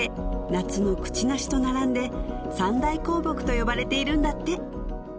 夏のクチナシと並んで三大香木と呼ばれているんだって